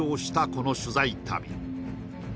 この取材旅